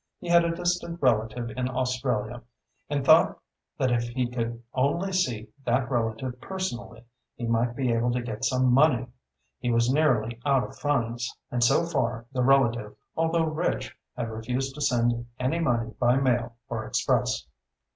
He had a distant relative in Australia, and thought that if he could only see that relative personally he might be able to get some money. He was nearly out of funds, and so far the relative, although rich, had refused to send any money by mail or express.